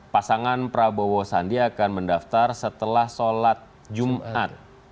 pasangan prabowo sandi akan mendaftar setelah sholat jumat